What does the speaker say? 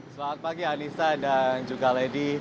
selamat pagi anissa dan juga lady